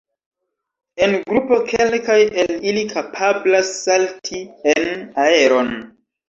En grupo kelkaj el ili kapablas salti en aeron.